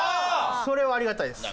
それはありがたいです。